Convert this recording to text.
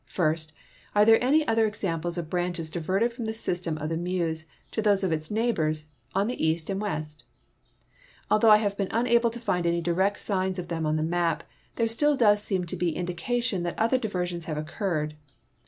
First, are there any other examples of branches diverted from the system of the Meuse to those of its neighliors on the west and east? Although I have been unable to find any direct signs of them on the maj), there still does seem to be indication that other diversions have occurred.